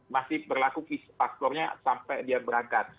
masih berlaku pastornya sampai dia berangkat